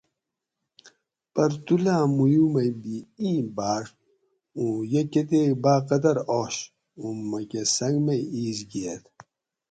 پرتولاں مویو مئی بھی ایں بھاش اوں یہ کتیک باقدر آش اوں مکہ سنگ مئی ایس گھئیت